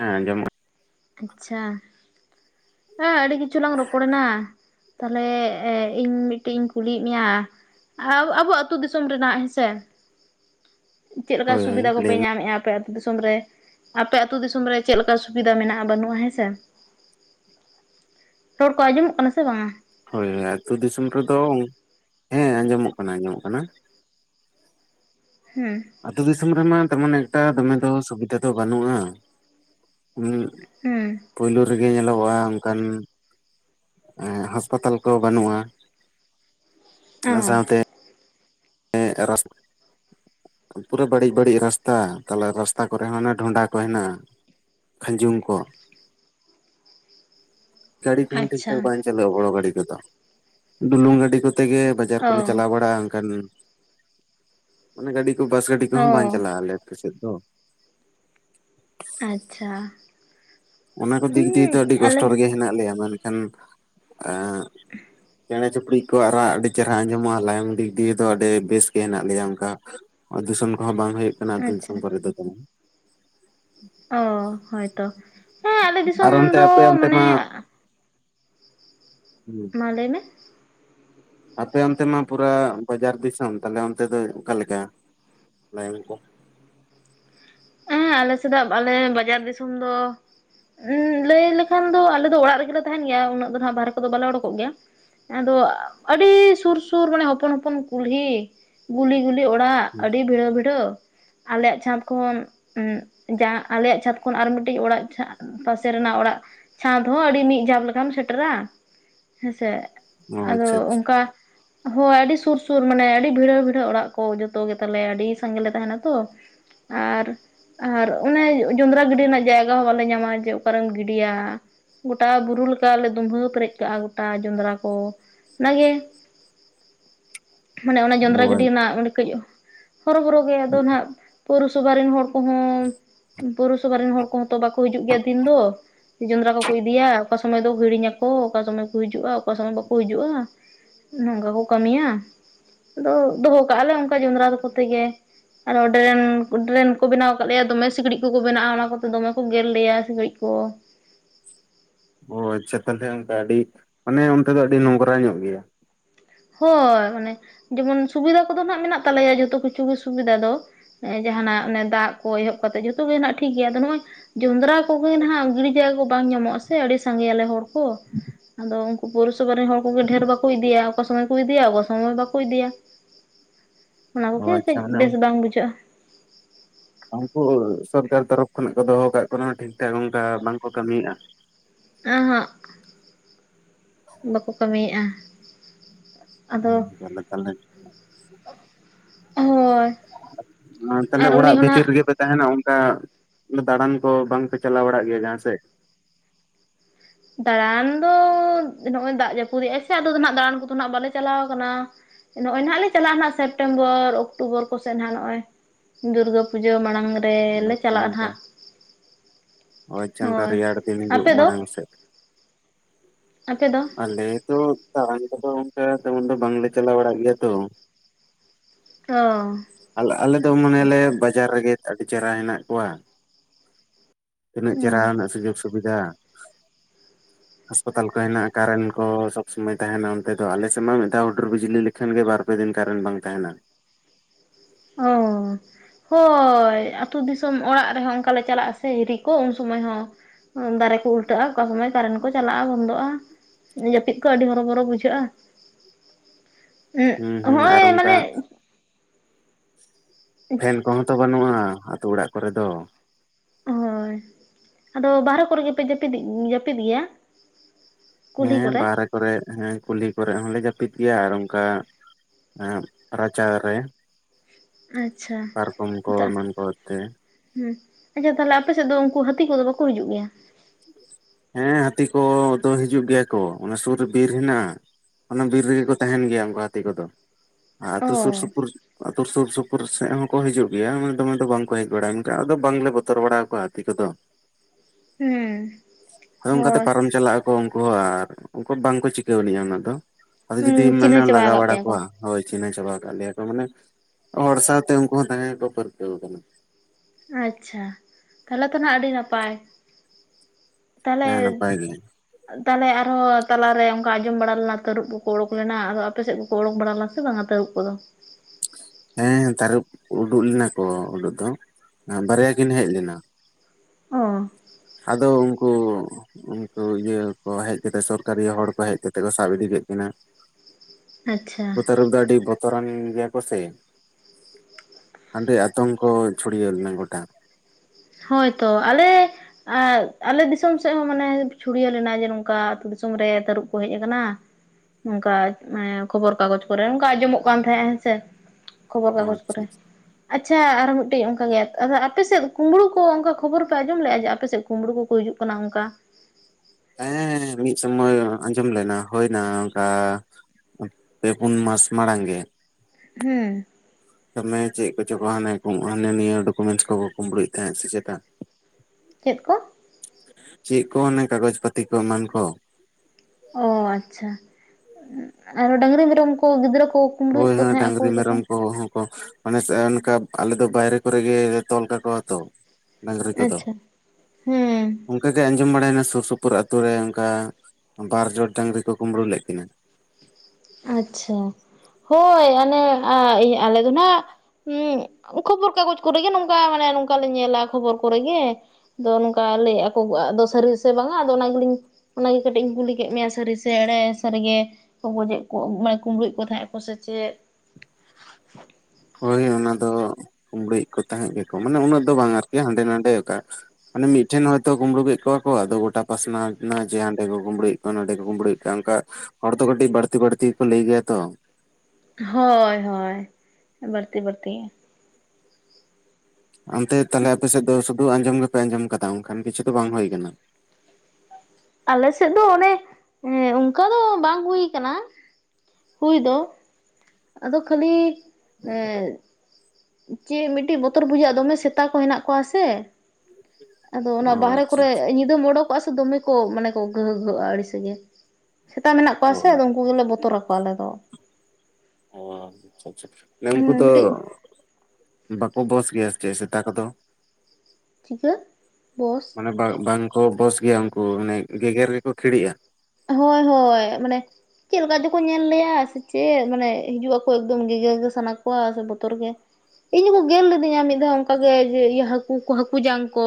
ᱦᱮᱸ ᱟᱡᱚᱢᱚᱜ ᱟᱪᱪᱷᱟ ᱦᱮᱸ ᱟᱹᱰᱤ ᱠᱤᱪᱷᱩᱞᱟᱟᱝ ᱨᱚᱯᱚᱲᱮᱱᱟ ᱛᱟᱦᱚᱞᱮ ᱤᱧ ᱢᱤᱫᱴᱤᱡ ᱤᱧ ᱠᱩᱞᱤᱭᱮᱫ ᱢᱮᱭᱟ ᱟᱵᱳ ᱟᱹᱛᱩ ᱫᱤᱥᱚᱢ ᱨᱮᱱᱟᱜ ᱦᱮᱸᱥᱮ ᱪᱮᱫ ᱞᱮᱠᱟ ᱦᱳᱭ ᱦᱳᱭ ᱥᱩᱵᱤᱫᱟ ᱠᱚᱯᱮ ᱞᱟᱹᱭ ᱢᱮ ᱧᱟᱢᱮᱫᱼᱟ ᱟᱯᱮ ᱟᱹᱛᱩ ᱫᱤᱥᱚᱢ ᱨᱮ ᱟᱯᱮ ᱟᱹᱛᱩ ᱫᱤᱥᱚᱢ ᱨᱮ ᱪᱮᱫ ᱞᱮᱠᱟ ᱥᱩᱵᱤᱫᱟ ᱢᱮᱱᱟᱜ ᱵᱟᱹᱱᱩᱜᱼᱟ ᱦᱮᱸ ᱥᱮ ᱟᱨ ᱨᱚᱲ ᱠᱚ ᱟᱸᱡᱚᱢᱚᱜ ᱠᱟᱱᱟ ᱥᱮ ᱵᱟᱝᱟ ᱦᱳᱭ ᱦᱳᱭ ᱟᱛᱳ ᱫᱤᱥᱚᱢ ᱨᱮᱫᱚ ᱚᱝ ᱦᱮᱸ ᱟᱸᱡᱚᱢᱚᱜ ᱠᱟᱱᱟ ᱟᱸᱡᱚᱢᱚᱜ ᱠᱟᱱᱟ ᱦᱮᱸ ᱟᱛᱳ ᱫᱤᱥᱚᱢ ᱨᱮᱢᱟ ᱛᱮᱢᱚᱱ ᱮᱠᱴᱟ ᱫᱚᱢᱮ ᱫᱚ ᱥᱩᱵᱤᱫᱟ ᱫᱚ ᱵᱟᱹᱱᱩᱜᱼᱟ ᱦᱩᱸ ᱯᱩᱭᱞᱳ ᱨᱮᱜᱮ ᱧᱮᱞᱚᱜᱚᱜᱼᱟ ᱚᱱᱠᱟᱱ, ᱦᱟᱸᱟᱥᱯᱟᱛᱟᱞ ᱠᱚ ᱵᱟᱹᱱᱩᱜᱼᱟ ᱚ ᱚᱱᱟ ᱥᱟᱶᱛᱮ, ᱦᱮᱸ ᱮᱨᱟ [inaudible] ᱯᱩᱨᱟᱹ ᱵᱟᱹᱲᱤᱡ ᱵᱟᱹᱲᱤᱡ ᱨᱟᱥᱛᱟ ᱛᱟᱦᱚᱞᱮ ᱨᱟᱥᱛᱟ ᱠᱚᱨᱮ ᱦᱚᱸ ᱚᱱᱮ ᱰᱷᱚᱸᱰᱟ ᱠᱚ ᱦᱮᱱᱟᱜᱼᱟ, ᱠᱷᱟᱸᱡᱩᱢ ᱠᱚ, ᱜᱟᱹᱰᱤ ᱠᱚᱦᱚᱸ ᱴᱷᱤᱠ ᱟᱪᱪᱷᱟ ᱴᱷᱟᱠ ᱵᱟᱝ ᱪᱟᱞᱩᱼᱟ ᱵᱚᱲᱚ ᱜᱟᱹᱰᱤ ᱠᱚᱫᱚ ᱰᱩᱞᱩᱝ ᱜᱟᱹᱰᱤ ᱠᱚᱫᱚ ᱛᱮᱜᱮ ᱵᱟᱡᱟᱨ ᱚ ᱠᱚᱞᱮ ᱪᱟᱞᱟᱣ ᱵᱟᱲᱟᱜᱼᱟ ᱮᱱᱠᱷᱟᱱ, ᱢᱟᱱᱮ ᱜᱟᱹᱰᱤ ᱠᱚ ᱵᱟᱥ ᱜᱟᱹᱰᱤ ᱚ ᱠᱚᱦᱚᱸ ᱵᱟᱝ ᱪᱟᱞᱟᱜᱼᱟ ᱟᱞᱮ ᱟᱛᱳ ᱥᱮᱫ ᱫᱚ, ᱟᱪᱪᱷᱟ, ᱚᱱᱟ ᱠᱚ ᱫᱤᱠ ᱫᱤᱭᱮ ᱦᱩᱸ ᱫᱚ ᱟᱹᱰᱤ ᱟᱞᱮ ᱠᱚᱥᱴᱚ ᱨᱮᱜᱮ ᱦᱮᱱᱟᱜ ᱞᱮᱭᱟ ᱢᱮᱱᱠᱷᱟᱱ, ᱟᱸᱻ ᱪᱮᱬᱮ ᱪᱩᱯᱲᱤᱡ ᱩᱱᱠᱩᱣᱟᱜ ᱨᱟᱜ ᱟᱹᱰᱤ ᱪᱮᱦᱨᱟ ᱟᱸᱡᱚᱢᱚᱜᱼᱟ ᱞᱟᱭᱚᱝ ᱫᱤᱠ ᱫᱤᱭᱮ ᱫᱚ ᱟᱹᱰᱤ ᱵᱮᱥ ᱜᱮ ᱦᱮᱱᱟᱜ ᱞᱮᱭᱟ ᱚᱱᱠᱟ᱾ ᱫᱤᱥᱚᱢ ᱠᱚᱦᱚᱸ ᱵᱟᱝ ᱦᱩᱭᱩᱜ ᱠᱟᱱᱟ ᱟᱛᱳ‌ ᱫᱤᱥᱚᱢ ᱠᱚᱨᱮ ᱫᱚ ᱫᱚᱢᱮ᱾ ᱚᱸ ᱦᱳᱭᱛᱚ ᱦᱮᱸ ᱟᱞᱮ ᱫᱤᱥᱚᱢ ᱟᱨ ᱚᱱᱛᱮ ᱫᱚ ᱟᱯᱮ ᱚᱱᱛᱮ ᱢᱟᱱᱮ ᱢᱟ ᱢᱟ ᱞᱟᱹᱭ ᱢᱮ ᱟᱯᱮ ᱚᱱᱛᱮ ᱢᱟ ᱯᱩᱨᱟ ᱵᱟᱡᱟᱨ ᱫᱤᱥᱚᱢ ᱛᱟᱦᱞᱮ ᱚᱱᱛᱮ ᱫᱚ ᱚᱠᱟᱮᱠᱟ ᱞᱟᱭᱚᱝ ᱠᱚ, ᱮᱸ ᱟᱞᱮ ᱥᱮᱫᱟᱜ ᱟᱞᱮ ᱵᱟᱡᱟᱨ ᱫᱤᱥᱚᱢ ᱫᱚ᱾ ᱩᱸ ᱞᱟᱹᱭ ᱞᱮᱠᱷᱟᱱ ᱫᱚ ᱟᱞᱮ ᱫᱚ ᱚᱲᱟᱜ ᱨᱮᱜᱮ ᱛᱟᱦᱮᱸᱱ ᱜᱮᱭᱟ ᱩᱱᱟᱹᱜ ᱫᱚ ᱦᱟᱸᱜ ᱵᱟᱨᱮ ᱠᱚᱫᱚ ᱵᱟᱞᱮ ᱩᱰᱩᱠᱚᱜ ᱜᱮᱭᱟ, ᱟᱫᱚ ᱟᱹᱰᱤ ᱥᱩᱨ ᱥᱩᱨ ᱢᱟᱱᱮ ᱦᱚᱯᱚᱱ ᱦᱚᱯᱚᱱ ᱠᱩᱞᱦᱤ, ᱜᱩᱞᱤ ᱜᱩᱞᱤ ᱚᱲᱟᱜ ᱟᱹᱰᱤ ᱵᱷᱤᱲᱟᱹᱼ ᱵᱷᱤᱲᱟᱹ ᱟᱞᱮᱭᱟᱜ ᱪᱷᱟᱟᱸᱫᱽ ᱠᱷᱚᱱ ᱩᱸᱻ ᱡᱟ ᱟᱞᱮᱭᱟᱜ ᱪᱷᱟᱛ ᱠᱷᱚᱱ ᱟᱨ ᱢᱤᱫᱴᱤᱡ ᱚᱲᱟᱜ ᱯᱟᱥᱮ ᱨᱮᱱᱟᱜ ᱚᱲᱟᱜ, ᱪᱷᱟᱫᱽ ᱦᱚᱸ ᱟᱹᱰᱤ ᱢᱤᱫ ᱡᱷᱟᱯ ᱞᱮᱠᱟᱢ ᱥᱮᱴᱮᱨᱟ ᱦᱮᱸᱥᱮ, ᱚ ᱟᱫᱚ ᱟᱪᱪᱷᱟ ᱟᱪᱪᱷᱟ ᱚᱝᱠᱟ, ᱦᱳᱭ ᱟᱹᱰᱤ ᱥᱩᱨ ᱥᱩᱨ ᱢᱟᱱᱮ ᱟᱹᱰᱤ ᱵᱷᱤᱲᱟᱹᱼ ᱵᱷᱤᱲᱟᱹ ᱚᱲᱟᱜ ᱠᱚ ᱡᱚᱛᱚ ᱜᱮᱛᱟᱞᱮ ᱟᱹᱰᱤ ᱥᱟᱸᱜᱮ ᱞᱮ ᱛᱟᱦᱮᱱᱟ ᱛᱚ᱾ ᱟᱨ ᱟᱨ ᱚᱱᱮ ᱡᱚᱸᱫᱨᱟ ᱜᱤᱰᱤ ᱨᱮᱱᱟᱜ ᱡᱟᱭᱜᱟ ᱦᱚᱸ ᱵᱟᱞᱮ ᱧᱟᱢᱟ ᱡᱮ ᱚᱠᱟᱨᱮᱢ ᱜᱤᱰᱤᱭᱟ᱾ ᱜᱚᱴᱟ ᱵᱩᱨᱩ ᱞᱮᱠᱟ ᱞᱮ ᱫᱩᱢᱵᱷᱟᱹ ᱯᱮᱨᱮᱡ ᱠᱟᱜᱼᱟ ᱜᱚᱴᱟ ᱡᱚᱸᱵᱨᱟ ᱠᱚ ᱚᱱᱟᱜᱮ, [inaudible] ᱢᱟᱱᱮ ᱚᱱᱟ ᱚ ᱡᱚᱸᱫᱨᱟ ᱜᱤᱰᱤ ᱨᱮᱱᱟᱜ ᱚᱱᱰᱮ ᱠᱟᱹᱡ ᱦᱚᱨᱚᱵᱚᱨᱚᱜ ᱜᱮ ᱟᱫᱚ ᱱᱟᱸᱜ ᱯᱳᱣᱨᱚᱥᱚᱵᱷᱟ ᱨᱮᱱ ᱦᱚᱲ ᱠᱚᱦᱚᱸ ᱯᱳᱨᱚᱥᱚᱵᱷᱟ ᱨᱮᱱ ᱦᱚᱲ ᱠᱚᱦᱚᱸ ᱛᱚ ᱵᱟᱠᱚ ᱦᱤᱡᱩᱜ ᱜᱮᱭᱟ ᱫᱤᱱ ᱫᱚ ᱡᱚᱵᱽᱨᱟ ᱠᱚᱠᱚ ᱤᱫᱤᱭᱟ᱾ ᱚᱠᱟ ᱥᱚᱢᱚᱭ ᱫᱚ ᱦᱤᱲᱤᱧᱟ ᱚᱠᱟ ᱥᱚᱢᱚᱭ ᱠᱚ ᱦᱤᱡᱩᱜᱼᱟ ᱚᱠᱟ ᱥᱚᱢᱚᱭ ᱵᱟᱠᱚ ᱦᱤᱡᱩᱜᱼᱟ, ᱱᱚᱝᱠᱟ ᱠᱚ ᱠᱟᱹᱢᱤᱭᱟ, ᱟᱫᱚ ᱫᱚᱦᱚ ᱠᱟᱜᱼᱟ ᱞᱮ ᱚᱱᱠᱟ ᱡᱚᱸᱵᱨᱟ ᱠᱚᱛᱮ ᱜᱮ ᱟᱨᱚ ᱰᱨᱮᱱ ᱰᱨᱮᱱ, ᱵᱮᱱᱟᱣ ᱟᱠᱟᱫ ᱞᱮᱭᱟ ᱫᱚᱢᱮ ᱥᱤᱠᱬᱤᱡ ᱠᱚᱠᱚ ᱵᱮᱱᱟᱜᱼᱟ ᱚᱱᱟ ᱠᱚᱛᱮ ᱫᱚᱢᱮ ᱠᱚ ᱜᱮᱨ ᱞᱮᱭᱟ ᱥᱤᱠᱬᱤᱡ ᱠᱚ ᱚ ᱟᱪᱪᱷᱟ ᱛᱟᱦᱚᱞᱮ ᱚᱱᱠᱟ ᱟᱹᱰᱤ ᱢᱟᱱᱮ ᱚᱱᱛᱮ ᱫᱚ ᱟᱹᱰᱤ ᱱᱚᱝᱨᱟ ᱧᱚᱜ ᱜᱮᱭᱟ᱾ ᱦᱚᱭ ᱚᱱᱮ ᱡᱮᱢᱚᱱ ᱥᱩᱵᱤᱫᱟ ᱠᱚᱫᱚ ᱦᱱᱟᱜ ᱢᱮᱱᱟᱜ ᱛᱟᱞᱮᱭᱟ ᱡᱷᱚᱛᱚ ᱠᱤᱪᱷᱩ ᱜᱮ ᱥᱩᱵᱤᱫᱷᱟ ᱫᱚ ᱡᱟᱦᱟᱱᱟᱜ ᱚᱱᱮ ᱫᱟᱜ ᱠᱚ ᱮᱦᱚᱵ ᱠᱟᱛᱮᱜ ᱡᱚᱛᱚᱜ ᱜᱮ ᱱᱟᱜ ᱴᱷᱤᱠ ᱜᱮᱭᱟ ᱟᱫᱚ ᱱᱚᱜᱼᱚᱭ, ᱡᱚᱱᱰᱨᱟ ᱠᱚᱜᱮ ᱱᱟᱦᱱᱟᱜ ᱜᱤᱲᱤ ᱡᱟᱭᱜᱟ ᱠᱚ ᱵᱟᱝ ᱧᱟᱢᱚᱜᱼᱟ ᱥᱮ ᱟᱹᱰᱤ ᱥᱟᱸᱜᱮᱭᱟᱞᱮ ᱦᱚᱲ ᱠᱚ᱾ ᱟᱫᱚ ᱩᱱᱠᱩ ᱯᱳᱨᱳᱥᱚᱵᱟᱷᱟ ᱨᱮᱱ ᱦᱚᱲ ᱠᱚᱜᱮ ᱰᱷᱮᱨ ᱵᱟᱠᱚ ᱤᱫᱤᱭᱟ᱾ ᱚᱠᱟ ᱥᱚᱢᱚᱭ ᱠᱚ ᱤᱫᱤᱭᱟ ᱚᱠᱚ ᱥᱚᱢᱚᱭ ᱵᱟᱠᱚ ᱤᱫᱤᱭᱟ ᱚᱱᱟ ᱚ ᱠᱚᱜᱮ ᱠᱟᱹᱡ ᱟᱪᱪᱷᱟ ᱵᱮᱥ ᱢᱟᱱᱮ ᱵᱟᱝ ᱵᱩᱡᱷᱟᱹᱜᱼᱟ᱾ ᱩᱱᱠᱩ ᱥᱚᱨᱠᱟᱨ ᱛᱚᱨᱚᱯᱷ ᱠᱷᱚᱱᱟᱜ ᱠᱚ ᱫᱚᱦᱚ ᱠᱟᱜ ᱠᱚ ᱨᱮᱦᱚᱸ ᱚᱱᱠᱟ ᱴᱷᱤᱠᱴᱷᱟᱠ ᱚᱱᱠᱟ ᱵᱟᱝᱠᱚ ᱠᱟᱹᱢᱤᱭᱮᱜ-ᱟ᱾ ᱚᱦᱚᱸᱜ ᱵᱟᱠᱚ ᱠᱟᱹᱢᱤᱭᱮᱫᱼᱟ᱾ ᱟᱫᱚ ᱛᱟᱞᱮ ᱛᱟᱞᱮ [inaudible] ᱛᱟᱦᱚᱞᱮ ᱟᱨ ᱩᱱᱤ ᱚᱲᱟᱜ ᱦᱚᱸ ᱵᱷᱤᱛᱤᱨ ᱱᱟᱜ ᱨᱮᱜᱮ ᱛᱟᱦᱮᱱᱟ ᱚᱱᱠᱟ ᱫᱟᱬᱟᱱ ᱠᱚ ᱵᱟᱝ ᱯᱮ ᱪᱟᱞᱟᱣ ᱵᱟᱲᱟᱜ ᱜᱮᱭᱟ ᱡᱟᱸᱦᱟᱸ ᱥᱮᱫ? ᱫᱟᱬᱟᱱ ᱫᱚ ᱱᱚᱜᱼᱚᱭ ᱫᱟᱜ ᱡᱟᱹᱯᱩᱫ ᱮᱜᱟᱭ ᱥᱮ ᱟᱜ ᱫᱟᱬᱟᱱ ᱠᱚᱫᱚ ᱦᱟᱸᱜ ᱵᱟᱞᱮ ᱪᱟᱞᱟᱣ ᱟᱠᱟᱱᱟ᱾ ᱱᱚᱜᱼᱚᱭ ᱱᱟᱦᱟᱜ ᱞᱮ ᱪᱟᱞᱟᱜᱼᱟ ᱱᱟᱜ ᱥᱮᱯᱴᱮᱢᱵᱚᱨ ᱚᱠᱴᱚᱵᱚᱨ ᱠᱚᱥᱮᱫ ᱱᱟᱜ ᱱᱚᱜᱼᱚᱭ᱾ ᱫᱩᱨᱜᱟᱹ ᱯᱩᱡᱟᱹ ᱢᱟᱲᱟᱝ ᱨᱮᱞᱮ ᱪᱟᱞᱟᱜᱼᱟ ᱱᱟᱦᱟᱸᱜ᱾ ᱚᱭᱪᱚᱝᱠᱟ ᱨᱮᱭᱟᱲ ᱫᱤᱱ ᱦᱤᱡᱩᱜ ᱟᱯᱮ ᱫᱚ ᱢᱟᱲᱟᱝ ᱥᱮ ᱟᱯᱮ ᱫᱚ ᱟᱞᱮ ᱛᱚ ᱫᱟᱲᱟᱱ ᱠᱚᱫᱚ ᱵᱟᱝᱞᱮ ᱪᱟᱞᱟᱣ ᱵᱟᱲᱟ ᱜᱮᱭᱟ ᱛᱚ᱾ ᱚ ᱟᱞ ᱟᱞᱮ ᱫᱚ ᱢᱟᱱᱮ ᱞᱮ ᱟᱪᱪᱷᱟ ᱵᱟᱡᱟᱨ ᱨᱮᱜᱮ ᱟᱹᱰᱤ ᱪᱮᱦᱨᱟ ᱦᱮᱱᱟᱜ ᱠᱚᱣᱟ᱾ ᱛᱤᱱᱟᱹᱜ ᱪᱮᱦᱨᱟ ᱨᱮᱱᱟᱜ ᱥᱩᱡᱚᱜᱽ ᱥᱩᱵᱤᱫᱷᱟ᱾ [inaudible] ᱦᱟᱥᱯᱟᱛᱟᱞ ᱠᱚ ᱦᱮᱱᱟᱜᱼᱟ, ᱠᱟᱨᱮᱱ ᱠᱚ ᱥᱚᱵ ᱥᱚᱢᱚᱭ ᱛᱟᱦᱮᱱᱟ ᱚᱱᱛᱮ ᱫᱚ ᱟᱞᱮ ᱥᱮᱫ ᱢᱟ ᱢᱤᱫ ᱫᱷᱟᱣ ᱦᱩᱰᱩᱨ ᱵᱤᱡᱽᱞᱤ ᱠᱷᱮᱱ ᱜᱮ ᱵᱟᱨ ᱯᱮ ᱫᱤᱱ ᱠᱟᱨᱮᱱᱴ ᱵᱟᱝ ᱛᱟᱦᱮᱱᱟ᱾ ᱚ ᱦᱚᱭ ᱟᱛᱩ ᱫᱤᱥᱚᱢ ᱚᱲᱟᱜ ᱨᱮᱦᱚᱸ ᱚᱱᱠᱟᱞᱮ ᱪᱟᱞᱟᱜᱼᱟ ᱥᱮ ᱦᱤᱨᱤ ᱠᱚ ᱩᱱ ᱥᱚᱢᱚᱭ ᱦᱚᱸ ᱩᱞ ᱫᱟᱨᱮ ᱠᱚ ᱩᱞᱴᱟᱹᱜᱼᱟ ᱚᱠᱟ ᱥᱚᱢᱚᱭ ᱠᱟᱨᱮᱱᱴ ᱠᱚ ᱪᱟᱞᱟᱜᱼᱟ ᱵᱚᱱᱫᱚᱜᱼᱟ᱾ ᱡᱟᱹᱯᱤᱫ ᱠᱚ ᱟᱹᱰᱤ ᱦᱚᱨᱚᱵᱚᱨᱚ ᱵᱩᱡᱷᱟᱹᱜᱼᱟ᱾ ᱦᱩᱸ ᱦᱩᱜ ᱦᱩᱸ ᱟᱨ ᱦᱚᱭ ᱚᱱᱠᱟ ᱢᱟᱱᱮ ᱯᱷᱮᱱ ᱠᱚᱦᱚᱸ ᱛᱚ ᱵᱟᱹᱱᱩᱜᱼᱟ ᱟᱛᱩ ᱚᱲᱟᱜ ᱠᱚᱨᱮ ᱫᱚ᱾ ᱦᱚᱭ ᱟᱫᱚ ᱵᱟᱦᱨᱮ ᱠᱚᱨᱮ ᱜᱮᱯᱮ ᱡᱟᱹᱯᱤᱫ, ᱡᱟᱹᱯᱤᱫ ᱜᱮᱭᱟ᱾ ᱠᱩᱞᱦᱤ ᱦᱮᱸ ᱠᱚᱨᱮ ᱵᱟᱦᱨᱮ ᱠᱚᱨᱮᱜ ᱦᱮᱸ ᱠᱩᱞᱦᱤ ᱠᱚᱨᱮᱜ ᱦᱚᱸᱞᱮ ᱡᱟᱹᱯᱤᱫ ᱜᱮᱭᱟ ᱟᱨ ᱚᱱᱠᱟ᱾ ᱨᱟᱪᱟᱨ ᱨᱮ ᱟᱪᱪᱷᱟ ᱯᱟᱨᱠᱚᱢ ᱠᱚ ᱮᱢᱟᱱ ᱠᱚᱛᱮ᱾ ᱦᱮᱸ ᱟᱪᱪᱷᱟ ᱛᱟᱦᱚᱞᱮ ᱟᱯᱮ ᱥᱮᱫ ᱫᱚ ᱩᱱᱠᱩ ᱦᱟᱹᱛᱤ ᱠᱚᱫᱚ ᱵᱟᱠᱚ ᱦᱤᱡᱩᱜ ᱜᱮᱭᱟ᱾ ᱦᱮᱸ ᱦᱟᱹᱛᱤ ᱠᱚ ᱫᱚ ᱦᱤᱡᱩᱜ ᱜᱮᱭᱟ ᱠᱚ ᱚᱱᱟ ᱥᱩᱨ ᱨᱮ ᱵᱤᱨ ᱦᱮᱱᱟᱜᱼᱟ᱾ ᱚᱱᱟ ᱵᱤᱨ ᱨᱮᱜᱮ ᱠᱚ ᱛᱟᱦᱮᱱ ᱜᱮᱭᱟ ᱩᱱᱠᱩ ᱦᱟᱹᱛᱤ ᱠᱚᱫᱚ ᱟᱨ ᱟᱹᱛᱩ ᱥᱩᱨ ᱚ ᱥᱩᱯᱩᱨ ᱟᱹᱛᱩ ᱥᱩᱨ ᱥᱩᱯᱩᱨ ᱥᱮᱫ ᱦᱚᱸᱠᱚ ᱦᱤᱡᱩᱜ ᱜᱮᱭᱟ, ᱢᱟᱱᱮ ᱫᱚᱢᱮ ᱫᱚ ᱵᱟᱝᱠᱚ ᱦᱮᱡ ᱵᱟᱲᱟᱭᱟ ᱢᱮᱱᱠᱷᱟᱱ ᱟᱫᱚ ᱵᱟᱝᱞᱮ ᱵᱚᱛᱚᱨ ᱵᱟᱲᱟ ᱠᱚᱣᱟ ᱦᱟᱹᱛᱤ ᱠᱚᱫᱚ᱾ ᱦᱮᱸ ᱟᱫᱚ ᱚᱱᱠᱟᱛᱮ ᱯᱟᱨᱚᱢ ᱪᱟᱞᱟᱜ ᱟᱠᱚ ᱩᱱᱠᱩ ᱦᱚᱸ ᱟᱨ ᱩᱱᱠᱩ ᱵᱟᱝᱠᱚ ᱪᱤᱠᱟᱹᱣᱞᱮᱭᱟ ᱟᱞᱮ ᱫᱚ᱾ ᱟᱫᱚ ᱡᱩᱫᱤ ᱦᱩᱸ ᱢᱟᱱᱮ ᱪᱤᱱᱦᱟᱹ ᱪᱟᱵᱟ ᱞᱟᱜᱟᱣ ᱟᱠᱟᱫ ᱵᱟᱲᱟ ᱯᱮᱭᱟ ᱠᱚ ᱠᱚᱣᱟ, ᱦᱚᱭ ᱪᱤᱱᱦᱟᱹ ᱪᱟᱵᱟᱣ ᱟᱠᱟᱫ ᱞᱮᱭᱟ ᱠᱚ ᱢᱟᱱᱮ ᱦᱚᱲ ᱥᱟᱶᱛᱮ ᱩᱱᱠᱩ ᱦᱚᱸ ᱛᱟᱦᱮᱸ ᱜᱮᱠᱚ ᱯᱟᱹᱨᱠᱟᱹᱣ ᱠᱟᱱᱟ᱾ ᱟᱪᱪᱷᱟ ᱛᱟᱦᱚᱞᱮ ᱛᱚ ᱱᱟᱜ ᱟᱹᱰᱤ ᱱᱟᱯᱟᱭ᱾ ᱦᱮᱸ ᱛᱟᱦᱚᱞᱮ ᱱᱟᱯᱟᱭ ᱜᱮ ᱛᱟᱦᱚᱞᱮ ᱟᱨᱦᱚᱸ ᱛᱟᱞᱟᱨᱮ ᱚᱱᱠᱟ ᱟᱸᱡᱚᱢ ᱵᱟᱲᱟ ᱞᱮᱱᱟ ᱛᱟᱹᱨᱩᱵ ᱠᱚᱠᱚ ᱚᱰᱚᱠ ᱞᱮᱱᱟ ᱟᱫᱚ ᱟᱯᱮ ᱥᱮᱫ ᱚᱸᱰᱚᱠ ᱵᱟᱲᱟᱞᱮᱱᱟ ᱥᱮ ᱵᱟᱝ-ᱟ ᱛᱟᱹᱨᱩᱵ ᱠᱚᱫᱚ? ᱦᱮᱸ ᱛᱟᱨᱩᱯ ᱩᱰᱩᱠ ᱞᱮᱱᱟ ᱠᱚ, ᱩᱰᱩᱠ ᱫᱚ ᱵᱟᱨᱭᱟ ᱠᱤᱱ ᱦᱮᱡ ᱞᱮᱱᱟ᱾ ᱦᱚᱻ ᱟᱫᱚ ᱩᱱᱠᱩ ᱩᱱᱠᱩ ᱤᱭᱟᱹ ᱠᱚ ᱦᱮᱡᱛᱜ ᱥᱚᱨᱠᱟᱨᱤ ᱦᱚᱲ ᱠᱚ ᱦᱮᱡᱛᱜ ᱠᱚ ᱥᱟᱵ ᱤᱫᱤ ᱠᱮᱫᱮᱫ ᱠᱤᱱᱟᱹ᱾ ᱟᱪᱪᱷᱟ ᱛᱟᱨᱩᱵ ᱫᱚ ᱟᱹᱰᱤᱼᱼ ᱵᱛᱚᱨᱟᱱ ᱜᱮᱭᱟ ᱠᱚ ᱥᱮ ᱦᱟᱸᱰᱮ ᱟᱛᱚᱝᱠᱚ ᱪᱷᱩᱲᱣ ᱞᱮᱱᱟ ᱜᱚᱴᱟ᱾ ᱦᱳᱭᱛᱚ ᱟᱞᱮᱼᱼ ᱟᱨ ᱟᱞᱮ ᱫᱤᱥᱚᱢ ᱥᱮᱫ ᱦᱚᱸ ᱢᱟᱱᱮ ᱪᱷᱩᱲᱭᱟᱹᱣ ᱞᱮᱱᱟ ᱡᱮ ᱱᱚᱝᱠᱟ ᱟᱹᱛᱩ ᱫᱤᱥᱚᱢ ᱨᱮ ᱛᱟᱹᱨᱩᱵᱽ ᱠᱚ ᱦᱮᱡ ᱟᱠᱟᱱᱟ᱾ ᱱᱚᱝᱼᱠᱟ ᱢᱟᱱᱮ ᱠᱷᱚᱵᱚᱨ ᱠᱟᱜᱚᱡᱽ ᱠᱚᱨᱮ ᱱᱚᱝᱠᱟ ᱟᱸᱡᱚᱢᱚᱜ ᱠᱟᱱ ᱛᱟᱸᱦᱮᱜᱼᱟ ᱦᱮᱸᱥᱮ, ᱠᱷᱚᱵᱚᱨ ᱚ ᱠᱟᱜᱚᱡᱽ ᱟᱪᱪᱷᱟ ᱠᱚᱨᱮ ᱟᱪᱪᱷᱟ, ᱟᱪᱪᱷᱟ ᱟᱨᱚ ᱢᱤᱫᱴᱮᱡ ᱚᱱᱠᱟ ᱜᱮ ᱟᱫᱚ ᱟᱯᱮ ᱥᱮᱫ ᱠᱩᱢᱵᱽᱲᱩ ᱠᱚ ᱚᱱᱠᱟ ᱠᱷᱚᱵᱚᱨ ᱯᱮ ᱟᱸᱡᱚᱢ ᱞᱮᱫ-ᱟ, ᱡᱮ ᱟᱯᱮᱥᱮᱫ ᱠᱩᱢᱵᱽᱲᱩ ᱠᱚᱠᱚ ᱦᱤᱡᱩᱜ ᱠᱟᱱᱟ ᱚᱱᱠᱟ? ᱦᱮᱸ ᱢᱤᱫ ᱥᱚᱢᱚᱭ ᱟᱸᱡᱚᱢ ᱞᱮᱱᱟ ᱦᱩᱭᱮᱱᱟ ᱚᱱᱠᱟ᱾ ᱯᱮ ᱯᱩᱱ ᱢᱟᱥ ᱢᱟᱲᱟᱝ ᱜᱮ ᱦᱮᱸ ᱥᱟᱵ ᱠᱟᱜ ᱢᱮ ᱪᱮᱫ ᱠᱚᱪᱚ ᱠᱚ ᱦᱟᱱᱮ ᱠᱚ ᱦᱟᱱᱟᱱᱤᱭᱟᱹ ᱰᱩᱠᱩᱢᱮᱱᱴᱥ ᱠᱚᱠᱚ ᱠᱩᱢᱵᱽᱲᱩᱭᱮᱫ ᱛᱟᱸᱦᱮᱜ ᱥᱮ ᱪᱮᱛᱟ? ᱪᱮᱫ ᱠᱚ? ᱪᱮᱫ ᱠᱚ ᱚᱱᱮ ᱠᱟᱜᱚᱡ ᱯᱟᱛᱤ ᱠᱚ ᱮᱢᱟᱱ ᱠᱚ, ᱚ ᱟᱪᱪᱷᱟ ᱟᱨ ᱰᱟᱹᱝᱨᱤ ᱢᱮᱨᱚᱢ ᱠᱚ ᱜᱤᱫᱽᱨᱟᱹ ᱠᱚᱼᱼ ᱦᱳᱭ ᱦᱮᱸ ᱰᱟᱝᱨᱤ ᱢᱮᱨᱚᱢ ᱠᱚ ᱦᱚ ᱠᱚ ᱢᱟᱱᱮ ᱚᱱᱠᱟ ᱟᱞᱮ ᱫᱚ ᱵᱟᱭᱨᱮ ᱠᱚᱨᱮ ᱜᱮ ᱛᱚᱞ ᱠᱟᱠᱚᱣᱟ ᱛᱚ, ᱰᱟᱝᱨᱤ ᱠᱚᱫᱚ ᱟᱪᱪᱷᱟ ᱦᱩᱸ ᱚᱱᱠᱟ ᱜᱮ ᱟᱸᱡᱚᱢ ᱵᱟᱲᱟ ᱭᱮᱱᱟ ᱥᱩᱨ ᱥᱩᱯᱩᱨ ᱟᱛᱳ ᱨᱮ ᱚᱱᱠᱟ ᱵᱟᱨ ᱡᱳᱲ ᱰᱟᱝᱨᱤ ᱠᱚ ᱠᱩᱢᱵᱽᱲᱩ ᱞᱮᱫ ᱠᱤᱱᱟ᱾ ᱟᱪᱪᱷᱟ ᱦᱳᱭ ᱚᱱᱮ ᱟᱞᱮ ᱫᱚᱱᱟᱜ ᱦᱩᱸ ᱠᱷᱚᱵᱚᱨ ᱠᱟᱜᱚᱡᱽ ᱠᱚᱨᱮ ᱜᱮ ᱱᱚᱝᱠᱟ ᱢᱟᱱᱮ ᱱᱚᱝᱠᱟ ᱞᱮ ᱧᱮᱞᱟ ᱠᱷᱚᱵᱚᱨ ᱠᱚᱨᱮ ᱜᱮᱼᱼ ᱟᱫᱚ ᱱᱚᱝᱼᱠᱟ ᱞᱟᱹᱭ ᱟᱠᱚ ᱟᱫᱚ ᱥᱟᱹᱨᱤ ᱥᱮ ᱵᱟᱝ ᱟ ᱟᱫᱚ ᱚᱱᱟ ᱜᱮᱞᱤᱧᱼᱼ ᱚᱱᱟᱜᱮ ᱠᱟᱹᱴᱤᱡ ᱤᱧ ᱠᱩᱞᱤ ᱠᱮᱫ ᱢᱮᱭᱟ ᱥᱟᱹᱨᱤ ᱥᱮ ᱮᱲᱮ ᱥᱟᱹᱨᱤᱜᱮ ᱜᱚᱡᱮᱫᱼᱼ ᱢᱮ ᱠᱩᱢᱲᱩᱭᱮᱫ ᱠᱚ ᱛᱟᱸᱦᱮᱜ ᱟᱠᱚ ᱥᱮ ᱪᱮᱫ ᱦᱳᱭ ᱚᱱᱟ ᱫᱚ ᱠᱩᱢᱲᱩ ᱭᱮᱫ ᱠᱚ ᱛᱟᱸᱦᱮᱜ ᱜᱮᱠᱚ ᱢᱟᱱᱮ ᱩᱱᱟᱹᱜ ᱫᱚ ᱵᱟᱝ ᱟᱨᱠᱤ ᱦᱟᱸᱰᱮ ᱱᱟᱰᱮ, ᱢᱟᱱᱮ ᱢᱤᱫᱴᱮᱱ ᱦᱚᱭᱛᱳ ᱠᱩᱢᱲᱩ ᱠᱮᱫ ᱠᱚᱣᱟ ᱠᱚ ᱟᱫᱚ ᱜᱚᱴᱟ ᱯᱟᱥᱱᱟᱣ ᱦᱮᱡ ᱮᱱᱟ ᱡᱮ ᱦᱟᱸᱰᱮ ᱠᱚ ᱠᱩᱢᱲᱩ ᱭᱮᱫᱼᱼ ᱱᱟᱰᱮ ᱠᱚ ᱠᱩᱢᱲᱩ ᱭᱮᱫ ᱠᱚᱣᱟ ᱚᱱᱠᱟ ᱦᱚᱲ ᱫᱚ ᱠᱟᱹᱴᱤᱡ ᱵᱟᱹᱲᱛᱤ ᱵᱟᱹᱲᱛᱤ ᱜᱮᱠᱚ ᱞᱟᱹᱭ ᱜᱮᱭᱟ ᱛᱚ᱾ ᱦᱳᱭ ᱦᱳᱭ ᱵᱟᱹᱲᱛᱤ, ᱵᱟᱹᱲᱛᱤ ᱚᱱᱛᱮ ᱛᱟᱦᱞᱮ ᱟᱯᱮᱥᱮᱫ ᱫᱚ ᱥᱩᱫᱷᱩ ᱟᱸᱡᱚᱢ ᱜᱮᱯᱮ ᱟᱸᱡᱚᱢ ᱟᱠᱟᱫᱟ ᱚᱱᱠᱟᱱ ᱠᱤᱪᱷᱩ ᱫᱚ ᱵᱟᱝ ᱦᱩᱭ ᱟᱠᱟᱱᱟ? ᱟᱞᱮᱥᱮᱫ ᱫᱚ ᱚᱱᱮ ᱚᱱᱠᱟ ᱫᱚ ᱵᱟᱝ ᱦᱩᱭ ᱟᱠᱟᱱᱟ᱾ ᱦᱩᱭ ᱫᱚ, ᱟᱫᱚ ᱠᱷᱟᱹᱞᱤ ᱮᱸ ᱪᱮᱫ ᱢᱤᱫᱴᱤᱡ ᱵᱚᱛᱚᱨ ᱵᱩᱡᱷᱟᱹᱜᱼᱟ ᱫᱚᱢᱮ ᱥᱮᱛᱟ ᱠᱚ ᱦᱮᱱᱟᱜ ᱠᱚᱣᱟ ᱥᱮ, ᱟᱫᱚ ᱚᱱᱟ ᱚ ᱵᱟᱦᱨᱮ ᱟᱪᱪᱷᱟ ᱠᱚᱨᱮᱜ ᱟᱪᱪᱷᱟ ᱧᱤᱫᱟᱹᱢ ᱚᱰᱳᱠᱚᱜᱼᱟ ᱥᱮ ᱫᱚᱢᱮ ᱠᱚ ᱢᱟᱱᱮ ᱠᱚ ᱜᱷᱟᱹᱣ ᱜᱷᱟᱹᱣᱚᱜᱼᱟ ᱟᱹᱲᱤᱥ ᱜᱮ, ᱥᱮᱛᱟ ᱢᱮᱱᱟᱜ ᱠᱚᱣᱟ ᱥᱮ ᱚ ᱟᱫᱚ ᱩᱱᱠᱩ ᱜᱮᱞᱮ ᱵᱚᱛᱚᱨ ᱟᱠᱚᱣᱟ ᱟᱞᱮ ᱫᱚ, ᱚ ᱟᱪᱪᱷᱟ ᱟᱪᱪᱷᱟ ᱢᱮ ᱦᱩᱸ ᱩᱱᱠᱩ ᱫᱚ ᱢᱤᱫᱴᱤᱡ ᱵᱟᱠᱚ ᱵᱚᱥ ᱜᱮᱭᱟ ᱥᱮ ᱪᱮᱫ ᱥᱮᱛᱟ ᱠᱚᱫᱚ? ᱪᱤᱠᱟᱹ ᱵᱚᱥ, ᱢᱟᱱᱮ ᱵᱟᱝ ᱠᱚ ᱵᱚᱥ ᱜᱮᱭᱟ ᱩᱱᱠᱩ ᱢᱟᱱᱮ ᱜᱮᱜᱮᱨ ᱨᱮᱠᱚ ᱠᱷᱤᱲᱤᱜᱼᱟ᱾ ᱦᱳᱭ ᱦᱳᱭ ᱢᱟᱱᱮᱼᱼ ᱪᱮᱫ ᱞᱮᱠᱟ ᱜᱮᱠᱚ ᱧᱮᱞ ᱞᱮᱭᱟ ᱥᱮ ᱪᱮᱫ ᱢᱟᱱᱮ ᱦᱤᱡᱩᱜ ᱟᱠᱚ ᱮᱠᱫᱚᱢ ᱜᱮᱜᱮᱨ ᱜᱮ ᱥᱟᱱᱟ ᱠᱚᱣᱟ ᱥᱮ ᱵᱚᱛᱚᱨ ᱜᱮᱼᱼ ᱤᱧ ᱦᱚᱸᱠᱚ ᱜᱮᱨ ᱞᱤᱫᱤᱼᱧᱟ ᱢᱤᱫ ᱫᱷᱟᱣ ᱚᱱᱠᱟᱜᱮ ᱤᱭᱟᱹ ᱦᱟᱹᱠᱩ ᱠᱚ ᱦᱟᱹᱠᱩ ᱡᱟᱝ ᱠᱚ,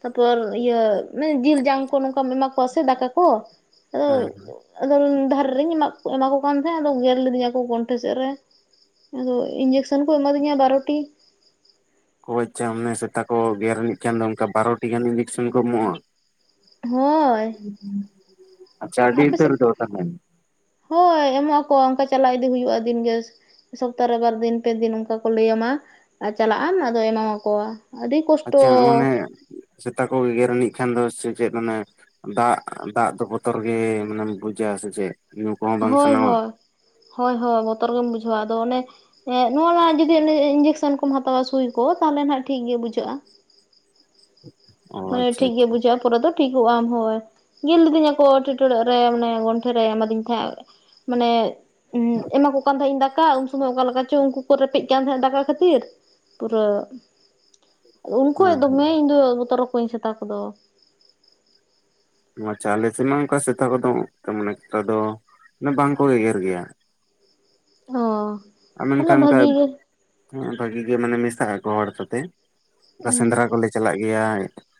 ᱛᱟᱨᱯᱚᱨ ᱤᱭᱟᱹ ᱢᱟᱱᱮ ᱡᱤᱞ ᱡᱟᱝ ᱠᱚ ᱱᱚᱝᱠᱟᱢ ᱮᱢᱟ ᱠᱚᱣᱟ ᱥᱮ ᱫᱟᱠᱟ ᱠᱚ ᱟᱫᱚ ᱦᱮᱸ ᱟᱫᱚ ᱫᱷᱟᱨᱮ ᱨᱤᱧ ᱮᱢᱟ ᱠᱚ ᱠᱟᱱ ᱛᱟᱦᱮᱸᱫ ᱟᱫᱚ ᱜᱮᱨ ᱞᱤᱫᱤᱧᱟ ᱠᱚ ᱜᱚᱱᱴᱷᱮ ᱥᱮᱫ ᱨᱮ, ᱟᱫᱚ ᱤᱧᱡᱮᱠᱥᱮᱱ ᱠᱚ ᱮᱢᱟᱫᱤᱧᱟ ᱵᱟᱨᱚᱴᱤ᱾ [unintelligible] ᱥᱮᱛᱟ ᱠᱚ ᱜᱮᱨᱼᱟᱱᱤᱡ ᱠᱷᱟᱱ ᱫᱚ ᱚᱱᱠᱟ ᱵᱟᱨᱚᱴᱤ ᱜᱟᱱ ᱤᱧᱡᱮᱠᱥᱮᱱ ᱠᱚ ᱮᱢᱚᱜ-ᱟ? ᱦᱳᱭ ᱟᱪᱪᱷᱟ ᱟᱹᱰᱤ ᱟᱯᱮ ᱩᱛᱟᱹᱨ ᱥᱮᱫ ᱫᱚ ᱛᱟᱸᱦᱚᱞᱮ ᱾ ᱦᱳᱭ ᱮᱢᱚᱜ ᱟᱠᱚ ᱚᱱᱠᱟ ᱪᱟᱞᱟᱣ ᱤᱫᱤ ᱦᱩᱭᱩᱜ-ᱟ ᱫᱤᱱ ᱜᱮ᱾ ᱥᱚᱯᱛᱟ ᱨᱮ ᱵᱟᱨ ᱫᱤᱱ ᱯᱮ ᱫᱤᱱ ᱚᱱᱠᱟ ᱠᱚ ᱞᱟᱹᱭ ᱟᱢᱟ ᱟᱨ ᱪᱟᱞᱟᱜ ᱟᱢ ᱟᱫᱚ ᱮᱢᱟ ᱢᱟᱠᱚ᱾ ᱟᱹᱰᱤ ᱠᱚᱥᱴᱚᱻ ᱟᱪᱪᱷᱟ ᱾ ᱚᱱᱮ ᱥᱮᱛᱟ ᱠᱚ ᱜᱮᱜᱮᱨ ᱟᱹᱱᱤᱡ ᱠᱷᱟᱱ ᱫᱚ ᱥᱮ ᱪᱮᱫ ᱚᱱᱮ ᱫᱟᱜ ᱫᱟᱜ ᱫᱚ ᱵᱚᱛᱚᱨ ᱜᱮ ᱢᱟᱱᱮᱢ ᱵᱩᱡᱟ ᱥᱮ ᱪᱮᱫ? ᱧᱩ ᱠᱚᱦᱚᱸ ᱵᱟᱝ ᱦᱳᱭ ᱥᱟᱱᱟᱣᱟ ᱦᱳᱭ, ᱦᱳᱭ ᱦᱳᱭ ᱵᱚᱛᱚᱨ ᱜᱮᱢ ᱵᱩᱡᱷᱟᱹᱣᱟ ᱟᱫᱚ ᱚᱱᱮ ᱦᱮᱸ ᱱᱚᱣᱟ ᱢᱟ ᱡᱩᱫᱤ ᱤᱧᱡᱮᱠᱥᱮᱱ ᱠᱚᱢ ᱦᱟᱛᱟᱣᱟ ᱥᱩᱭ ᱠᱚ ᱛᱟᱦᱚᱞᱮ ᱱᱟᱜ ᱴᱷᱤᱠ ᱜᱮ ᱵᱩᱡᱷᱟᱹᱜ-ᱟ᱾ ᱚ ᱢᱟᱱᱮ ᱟᱪᱪᱷᱟ ᱴᱷᱤᱠ ᱜᱮ ᱟᱪᱪᱷᱟ ᱵᱩᱡᱷᱟᱹᱜᱼᱟ ᱾ ᱛᱟᱨᱯᱚᱨᱮ ᱫᱚ ᱴᱷᱤᱠᱚᱜ ᱟᱢ ᱦᱳᱭ, ᱜᱮᱨ ᱞᱤᱫᱤᱧᱟᱠᱚ ᱴᱷᱤᱴᱲᱟᱹᱜ ᱨᱮ ᱢᱟᱱᱮ ᱜᱚᱱᱴᱷᱮ ᱨᱮ ᱮᱢᱟᱫᱤᱧ ᱛᱟᱦᱮᱸᱜ᱾ ᱢᱟᱱᱮ ᱮᱢᱟ ᱠᱚ ᱠᱟᱱ ᱛᱟᱦᱮᱸ ᱤᱧ ᱫᱟᱠᱟ, ᱩᱱ ᱥᱚᱢᱚᱭ ᱚᱠᱟ ᱞᱮᱠᱟ ᱪᱚ ᱩᱱᱠᱩ ᱠᱚ ᱨᱮᱯᱮᱡ ᱠᱟᱱ ᱛᱟᱦᱮᱸᱫ ᱫᱟᱠᱟ ᱠᱷᱟᱹᱛᱤᱨ᱾ ᱯᱩᱨᱟᱹ ᱩᱱ ᱠᱷᱚᱡ ᱦᱮᱸ ᱦᱮᱸ ᱫᱚᱢᱮ ᱤᱧᱫᱚ ᱵᱚᱛᱚᱨ ᱟᱠᱚᱣᱟᱧ ᱥᱮᱛᱟ ᱠᱚᱫᱚ᱾ ᱟᱪᱪᱷᱟ ᱟᱞᱮ ᱥᱮᱫ ᱢᱟ ᱚᱱᱠᱟ ᱥᱮᱛᱟ ᱠᱚᱫᱚ ᱛᱮᱢᱚᱱ ᱮᱠᱴᱟ ᱫᱚ ᱵᱟᱝ ᱠᱚ ᱜᱮᱜᱮᱨ ᱜᱮᱭᱟ᱾ ᱚᱻ ᱢᱮᱱᱠᱷᱟᱱ ᱚᱱᱠᱟ ᱵᱷᱟᱜᱤ ᱜᱮ ᱢᱟᱱᱮ ᱢᱮᱥᱟᱜ ᱟᱠᱚ ᱦᱚᱲ ᱥᱟᱛᱮ᱾ ᱚᱱᱠᱟ ᱥᱮᱸᱫᱽᱨᱟ ᱠᱚᱞᱮ ᱪᱟᱞᱟᱜ ᱜᱮᱭᱟ,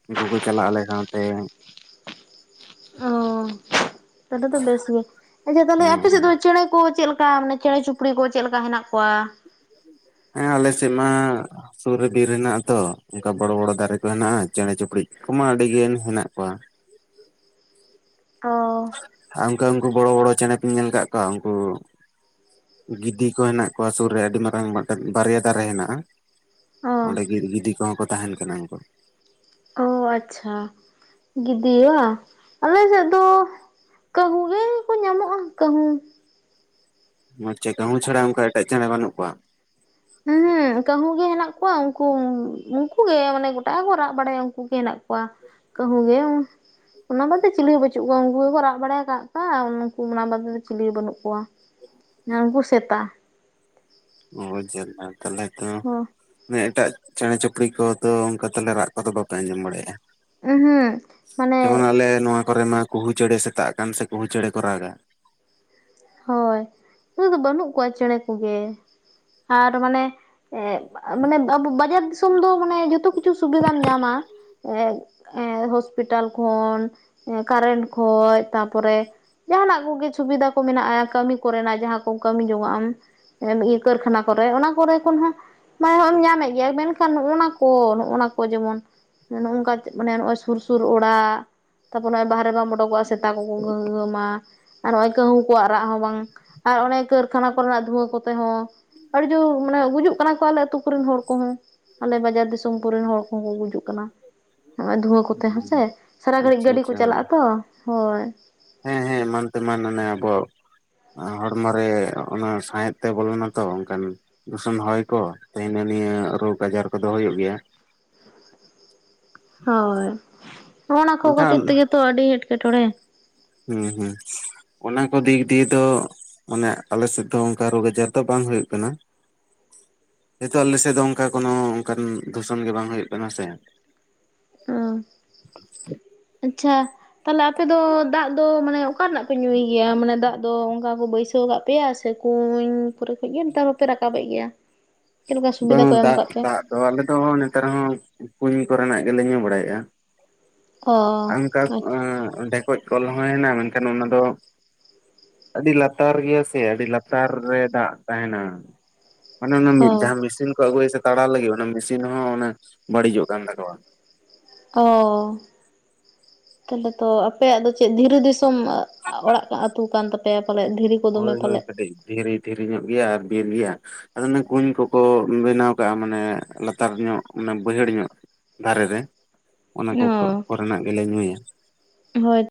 ᱩᱱᱠᱩ ᱠᱚ ᱪᱟᱞᱟᱜᱼᱟ ᱟᱞᱮ ᱥᱟᱶᱛᱮ᱾ ᱚᱻ ᱛᱟᱦᱚᱞᱮ ᱛᱚ ᱵᱮᱥ ᱜᱮ, ᱟᱪᱪᱷᱟ ᱛᱟᱦᱚᱞᱮ ᱟᱯᱮ ᱥᱮᱫ ᱦᱮᱸ ᱫᱚ ᱪᱮᱬᱮ ᱠᱚ ᱪᱮᱫ ᱞᱮᱠᱟ ᱢᱟᱱᱮ ᱪᱮᱬᱮ ᱪᱩᱯᱲᱤ ᱠᱚ ᱪᱮᱫ ᱞᱮᱠᱟ ᱦᱮᱱᱟᱜ ᱠᱚᱣᱟ? ᱦᱮᱸ ᱟᱞᱮ ᱥᱮᱫ ᱢᱟ ᱥᱩᱨ ᱨᱮ ᱵᱤᱨ ᱦᱮᱱᱟᱜᱼᱟ ᱛᱚ, ᱚᱱᱠᱟ ᱵᱚᱲᱚ ᱵᱚᱲᱚ ᱫᱟᱨᱮ ᱠᱚ ᱦᱮᱱᱟᱜᱼᱟ ᱪᱮᱬᱮ ᱪᱩᱯᱲᱤᱡ ᱠᱚᱢᱟ ᱟᱹᱰᱤᱜᱟᱱ ᱦᱮᱱᱟᱜ ᱠᱚᱣᱟ᱾ ᱚᱻ ᱾ ᱟᱨ ᱚᱱᱠᱟ ᱩᱱᱠᱩ ᱵᱚᱲᱚ ᱵᱚᱲᱚ ᱪᱮᱬᱮ ᱯᱮ ᱤᱧ ᱧᱮᱞ ᱟᱠᱟᱫ ᱠᱚᱣᱟ ᱩᱱᱠᱩ ᱜᱤᱫᱤ ᱠᱚ ᱦᱮᱱᱟᱜ ᱠᱚᱣᱟ ᱥᱩᱨ ᱨᱮ ᱟᱹᱰᱤ ᱢᱟᱨᱟᱝ ᱢᱤᱫᱴᱮᱱ ᱵᱟᱨᱭᱟ ᱫᱟᱨᱮ ᱦᱮᱱᱟᱜᱼᱟ᱾ ᱚ ᱚᱸᱰᱮ ᱜᱮ ᱜᱤᱫᱤ ᱠᱚᱦᱚᱸ ᱠᱚ ᱛᱟᱦᱮᱱ ᱠᱟᱱᱟ ᱩᱱᱠᱩ᱾ ᱚ ᱟᱪᱪᱷᱟ ᱜᱤᱫᱤ ᱵᱟ, ᱟᱞᱮ ᱥᱮᱫ ᱫᱚ ᱠᱟᱺᱦᱩ ᱜᱮ ᱠᱚ ᱧᱟᱢᱚᱜᱼᱟ ᱠᱟᱺᱦᱩ᱾ ᱪᱮᱫ ᱠᱟᱺᱦᱩ ᱪᱷᱟᱲᱟ ᱚᱱᱠᱟ ᱮᱴᱟᱜ ᱪᱮᱬᱮ ᱵᱟᱹᱱᱩᱜ ᱠᱚᱣᱟ? ᱩᱦᱩᱸᱜ ᱠᱟᱺᱦᱩ ᱜᱮ ᱦᱮᱱᱟᱜ ᱠᱚᱣᱟ, ᱩᱱᱠᱩ ᱩᱱᱠᱩ ᱜᱮ ᱢᱟᱱᱮ ᱜᱚᱴᱟ ᱜᱮᱠᱚ ᱨᱟᱜ ᱵᱟᱲᱟᱭᱟ ᱩᱱᱠᱩ ᱜᱮ ᱦᱮᱱᱟᱜ ᱠᱚᱣᱟ᱾ ᱠᱟᱺᱦᱩ ᱜᱮ ᱾ ᱚᱱᱟ ᱵᱟᱫᱮ ᱪᱤᱞᱤ ᱦᱚᱸ ᱵᱟᱹᱪᱩᱜ ᱠᱚᱣᱟ, ᱩᱱᱠᱩ ᱜᱮᱠᱚ ᱨᱟᱜ ᱵᱟᱲ ᱠᱟᱜ ᱠᱟᱜ ᱩᱱᱠᱩ ᱚᱱᱟ ᱵᱟᱫᱮ ᱫᱚ ᱪᱤᱞᱤ ᱦᱚᱸ ᱵᱟᱹᱱᱩᱜ ᱠᱚᱣᱟ᱾ ᱱᱩᱝᱠᱩ ᱥᱮᱛᱟ᱾ ᱚ ᱡᱟᱞᱟ ᱛᱟᱦᱞᱮ ᱛᱚ ᱦᱚ᱾ ᱢᱟᱱᱮ ᱮᱴᱟᱜ ᱪᱮᱬᱮ ᱪᱩᱯᱲᱤ ᱠᱚ ᱫᱚ ᱚᱱᱠᱟ ᱛᱟᱦᱞᱮ ᱨᱟᱜ ᱠᱚᱫᱚ ᱵᱟᱯᱮ ᱟᱸᱡᱚᱢ ᱵᱟᱲᱟᱭᱮᱜᱼᱟ? ᱩᱦᱩᱸ ᱢᱟᱱᱮ ᱡᱮᱢᱚᱱ ᱟᱞᱮ ᱱᱚᱣᱟ ᱠᱚᱨᱮ ᱢᱟ ᱠᱩᱦᱩ ᱪᱮᱬᱮ ᱥᱮᱛᱟᱜ ᱟᱠᱟᱱ ᱥᱮ ᱠᱩᱦᱩ ᱪᱮᱬᱮ ᱠᱚ ᱨᱟᱜᱟ᱾ ᱦᱳᱭ ᱩᱱᱟᱹᱜ ᱫᱚ ᱵᱟᱹᱱᱩᱜ ᱠᱚᱣᱟ ᱪᱮᱬᱮ ᱠᱚᱜᱮ᱾ ᱟᱨ ᱢᱟᱱᱮ ᱮᱸᱜ ᱢᱟᱱᱮ ᱵᱟᱡᱟᱨ ᱫᱤᱥ ᱥᱚᱢ ᱫᱚ ᱢᱟᱱᱮ ᱡᱚᱛᱚ ᱠᱤᱪᱷᱩ ᱥᱩᱵᱤᱫᱷᱟᱢ ᱧᱟᱢᱟ ᱮᱸ ᱮᱸ ᱦᱚᱥᱯᱤᱴᱟᱞ ᱠᱷᱚᱱ, ᱮᱸ ᱠᱟᱨᱮᱱᱴ ᱠᱷᱚᱡ ᱛᱟᱯᱚᱨᱮ ᱡᱟᱦᱟᱱᱟᱜ ᱠᱚᱜᱮ ᱥᱩᱵᱤᱫᱷᱟ ᱠᱚ ᱢᱮᱱᱟᱜᱼᱟ, ᱠᱟᱹᱢᱤ ᱠᱚᱨᱮᱱᱟᱜ ᱡᱟᱦᱟᱸ ᱠᱚᱢ ᱠᱟᱹᱢᱤ ᱡᱚᱝᱟᱜ ᱟᱢ᱾ ᱤᱭᱟᱹ ᱠᱟᱹᱨᱠᱷᱟᱱᱟ ᱠᱚᱨᱮ ᱚᱱᱟ ᱠᱚᱨᱮ ᱠᱷᱚᱱ ᱦᱚᱸ ᱢᱟᱱᱮ ᱱᱚᱜᱼᱚᱭ ᱮᱢ ᱧᱟᱢᱮᱫ ᱜᱮᱭᱟ ᱢᱮᱱᱠᱷᱟᱱ ᱚᱱᱟ ᱠᱚ ᱱᱚᱜᱼᱱᱟ ᱠᱚ ᱡᱮᱢᱚᱱ ᱱᱚᱜ ᱱᱚᱝᱠᱟ ᱢᱟᱱᱮ ᱱᱚᱜᱼᱚᱭ ᱥᱩᱨ ᱥᱩᱨ ᱚᱲᱟᱜ᱾ ᱛᱟᱨᱯᱚᱨ ᱱᱚᱜᱼᱚᱭ ᱵᱟᱦᱨᱮ ᱵᱟᱢ ᱩᱰᱩᱠᱚᱜᱼᱟ ᱥᱮᱛᱟ ᱠᱚᱠᱚ ᱜᱷᱟᱶ ᱜᱷᱟᱶ ᱟᱢᱟ ᱟᱨ ᱱᱚᱜᱼᱚᱭ ᱠᱟᱹᱦᱩ᱾ ᱟᱠᱣᱟᱜ ᱨᱟᱜ ᱦᱚᱸ ᱵᱟᱝ ᱟᱨ ᱚᱱᱮ ᱠᱟᱹᱨᱠᱷᱟᱱᱟ ᱠᱚᱨᱮᱱᱟᱜ ᱫᱷᱩᱣᱟᱹ ᱠᱚᱛᱮ ᱦᱚᱸ ᱟᱹᱰᱤ ᱡᱳᱨ ᱢᱟᱱᱮ ᱜᱩᱡᱩᱜ ᱠᱟᱱᱟ ᱠᱚ ᱟᱞᱮ ᱟᱹᱛᱩ ᱠᱚᱨᱮᱱ ᱦᱚᱲ ᱠᱚᱦᱚᱸ.... ᱟᱞᱮ ᱵᱟᱡᱟᱨ ᱫᱤᱥᱚᱢ ᱠᱚᱨᱮᱱ ᱦᱚᱲ ᱠᱚᱦᱚᱸ ᱠᱚ ᱜᱩᱡᱩᱜ ᱠᱟᱱᱟ ᱱᱚᱜᱚᱭ ᱫᱷᱩᱣᱟᱹ ᱠᱚᱛᱮ ᱦᱮᱸᱥᱮ᱾ ᱥᱟᱨᱟ ᱜᱷᱟᱹᱲᱤᱡ ᱟᱪᱪᱷᱟ ᱜᱟᱹᱰᱤ ᱠᱚ ᱟᱪᱪᱷᱟ ᱪᱟᱞᱟᱜᱼᱟ ᱦᱳᱭ ᱛᱚ ᱦᱳᱭ ᱦᱮᱸ ᱦᱮᱸ ᱮᱢᱟᱱ ᱛᱮᱢᱟᱱ ᱮ ᱟᱵᱚ᱾ ᱦᱚᱲᱢᱚᱮ ᱚᱱᱟ ᱥᱟᱸᱦᱮᱫ ᱛᱮ ᱵᱚᱞᱚᱱᱟ ᱛᱚ ᱚᱱᱠᱟᱱ᱾ ᱫᱩᱥᱚᱱ ᱦᱚᱭ ᱠᱚ [inaudible] ᱱᱤᱭᱟᱹ ᱨᱳᱜᱽ ᱟᱡᱟᱨ ᱠᱚᱫᱚ ᱦᱩᱭᱩᱜ ᱜᱮᱭᱟ᱾ ᱦᱳᱭ ᱚᱱᱟ ᱠᱚ ᱢᱮᱱᱠᱷᱟᱱ ᱠᱷᱟᱹᱛᱤᱨ ᱛᱮᱜᱮᱛᱚ ᱟᱹᱰᱤ ᱮᱴᱠᱮᱴᱚᱬᱮ᱾ ᱦᱮᱸ ᱦᱮᱸ ᱚᱱᱟ ᱠᱚ ᱫᱤᱠ ᱫᱤᱭᱮ ᱫᱚ... ᱢᱟᱱᱮ ᱟᱞᱮᱥᱮᱫ ᱫᱚ ᱚᱱᱠᱟ ᱨᱳᱜᱽ ᱟᱡᱟᱨ ᱫᱚ ᱵᱟᱝ ᱦᱩᱭᱩᱜ ᱠᱟᱱᱟ᱾ ᱡᱮᱛᱩ ᱟᱞᱮᱥᱮᱫ ᱫᱚ ᱚᱱᱠᱟ ᱠᱳᱱᱚ ᱚᱱᱠᱟᱱ ᱫᱷᱩᱥᱚᱱ ᱜᱮ ᱵᱟᱝ ᱦᱩᱭᱩᱜ ᱠᱟᱱᱟ ᱥᱮ᱾ ᱚ ᱟᱪᱪᱷᱟ᱾ ᱛᱟᱦᱞᱮ ᱟᱯᱮ ᱫᱚ ᱫᱟᱜ ᱫᱚ ᱢᱟᱱᱮ ᱚᱠᱟ ᱨᱮᱱᱟᱜ ᱯᱮ ᱧᱩᱭ ᱜᱮᱭᱟ ᱢᱟᱱᱮ ᱫᱟᱜ ᱫᱚ ᱚᱱᱠᱟ ᱠᱚ ᱵᱟᱹᱭᱥᱟᱹᱣ ᱠᱟᱜ ᱠᱚᱣᱟ᱾ ᱟᱯᱮᱭᱟ ᱥᱮ ᱠᱩᱧ ᱠᱚᱨᱮ ᱠᱷᱚᱡ ᱜᱮ ᱱᱮᱛᱟᱨ ᱦᱚᱸᱯᱮ ᱨᱟᱠᱟᱵᱮᱜ ᱜᱮᱭᱟ? ᱪᱮᱫ ᱞᱮᱠᱟ ᱥᱩᱵᱤᱫᱟ ᱠᱚ ᱮᱢ ᱟᱠᱟᱫ ᱯᱮᱭᱟ? ᱛᱚ ᱟᱞᱮ ᱫᱚ ᱱᱮᱛᱟᱨ ᱦᱚᱸ ᱠᱩᱧ ᱠᱚᱨᱮᱱᱟᱜ ᱜᱮᱞᱮ ᱧᱩ ᱵᱟᱲᱟᱭᱮᱜᱼᱟ᱾ ᱚ ᱮᱱᱠᱟ ᱟᱪᱪᱷᱟ ᱮᱸ ᱰᱷᱮᱠᱚᱡ ᱠᱚᱞ ᱦᱚᱸ ᱦᱮᱱᱟ ᱢᱮᱱᱠᱷᱟᱱ ᱚᱱᱟ ᱫᱚ ᱟᱹᱰᱤ ᱞᱟᱛᱟᱨ ᱜᱮᱭᱟ ᱥᱮ ᱟᱹᱰᱤ ᱞᱟᱛᱟᱨ ᱨᱮ ᱫᱟᱜ ᱛᱟᱦᱮᱱᱟ᱾ ᱢᱟᱱᱮ ᱚᱱᱟ ᱚ ᱢᱤᱫ᱾ ᱡᱟᱦᱟᱸ ᱢᱮᱥᱤᱱ ᱠᱚ ᱟᱹᱜᱩᱭᱟ ᱥᱮ ᱛᱟᱲᱟᱣ ᱞᱟᱹᱜᱤᱫ ᱚᱱᱮ ᱢᱮᱥᱤᱱ ᱦᱚᱸ ᱵᱟᱹᱲᱤᱡᱚᱜ ᱠᱟᱱ ᱛᱟᱠᱚᱣᱟ᱾ ᱚ᱾ ᱛᱟᱦᱚᱞᱮ ᱛᱚ ᱟᱯᱮᱭᱟᱜ ᱫᱚ ᱪᱮᱫ ᱫᱷᱤᱨᱤ ᱫᱤᱥᱚᱢ ᱚᱲᱟᱜ ᱟᱹᱛᱩ ᱠᱟᱱ ᱛᱟᱯᱮᱭᱟ ᱯᱟᱞᱮ, ᱫᱷᱤᱨᱤ ᱠᱚ ᱫᱚᱢᱮ ᱦᱳᱭ ᱦᱳᱭ ᱯᱟᱞᱮᱫ ᱠᱟᱹᱴᱤᱡ ᱫᱷᱤᱨᱤ ᱫᱷᱤᱨᱤ ᱧᱚᱜ ᱜᱮᱭᱟ ᱟᱨ ᱵᱤᱨ ᱜᱮᱭᱟ᱾ ᱟᱫᱚ ᱚᱱᱮ ᱠᱩᱧ ᱠᱚᱠᱚ ᱵᱮᱱᱟᱣ ᱠᱟᱜᱼᱟ ᱢᱟᱱᱮ ᱞᱟᱛᱟᱨ ᱧᱚᱜ ᱢᱟᱱᱮ ᱵᱟᱹᱭᱦᱟᱹᱲ ᱧᱚᱜ᱾ ᱫᱟᱨᱮ ᱨᱮ ᱚᱱᱟ ᱠᱚ ᱠᱷᱚᱜ ᱚ ᱠᱚᱨᱮᱱᱟᱜ ᱜᱮᱞᱮ ᱧᱩᱭᱟ᱾ ᱦᱳᱭ᱾